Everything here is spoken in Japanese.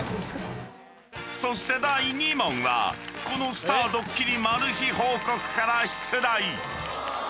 ［そして第２問はこの『スターどっきりマル秘報告』から出題］